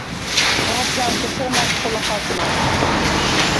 ვარგა̈ლს ესერ მა̈გ ხოლა ხაზნახ;